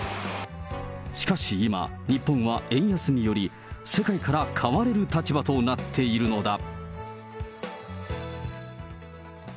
しかし今、日本は円安により、世界から買われる立場となっているのだ。